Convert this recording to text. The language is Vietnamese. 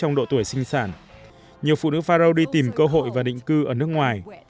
nhiều phụ nữ faroe đi tìm cơ hội và định cư ở nước ngoài